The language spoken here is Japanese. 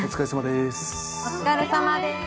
お疲れさまです。